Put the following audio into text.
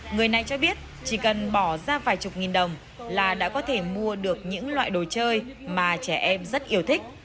người này cho biết chỉ cần bỏ ra vài chục nghìn đồng là đã có thể mua được những loại đồ chơi mà trẻ em rất yêu thích